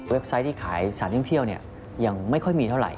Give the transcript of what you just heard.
ไซต์ที่ขายสารท่องเที่ยวยังไม่ค่อยมีเท่าไหร